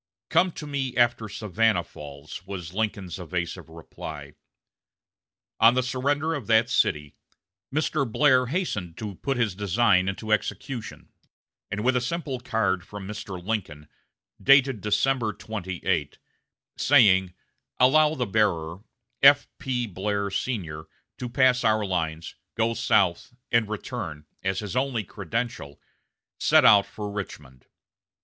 "Come to me after Savannah falls," was Lincoln's evasive reply. On the surrender of that city, Mr. Blair hastened to put his design into execution, and with a simple card from Mr. Lincoln, dated December 28, saying, "Allow the bearer, F.P. Blair, Sr., to pass our lines, go south and return," as his only credential, set out for Richmond.